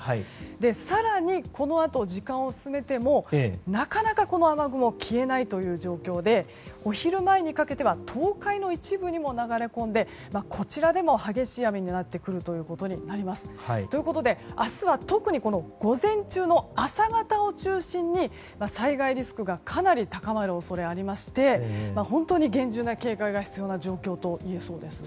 更に、このあと時間を進めてもなかなか雨雲が消えないという状況でお昼前にかけては東海の一部にも流れ込んでこちらでも激しい雨になってくるということになります。ということで明日は特に午前中の朝方を中心に災害リスクがかなり高まる恐れがありまして本当に厳重な警戒が必要な状況といえそうです。